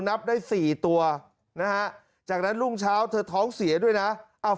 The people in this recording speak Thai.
นับได้๔ตัวนะฮะจากนั้นรุ่งเช้าเธอท้องเสียด้วยนะ